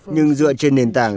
nhưng dựa trên nền tảng